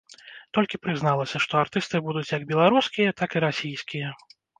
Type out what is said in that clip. Толькі прызналася, што артысты будуць як беларускія, так і расійскія.